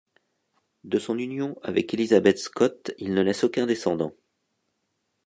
De son union avec Elisabeth Scot il ne laisse aucun descendant.